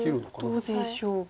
どうでしょうか。